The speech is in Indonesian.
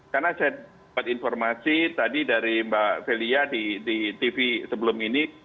karena saya dapat informasi tadi dari mbak velia di tv sebelum ini